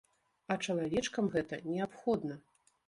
А чалавечкам гэта неабходна.